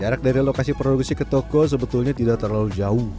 jarak dari lokasi produksi ke toko sebetulnya tidak terlalu jauh